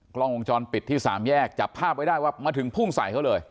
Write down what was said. กล้องวงจรปิดที่สามแยกจับภาพไว้ได้ว่ามาถึงพุ่งใส่เขาเลย